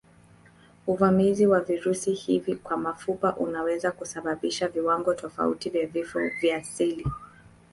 Uvamizi wa virusi hivi kwa mapafu unaweza kusababisha viwango tofauti vya vifo vya seli.